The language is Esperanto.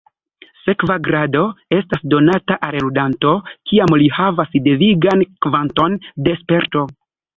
Sekva grado estas donata al ludanto kiam li havas devigan kvanton de "sperto".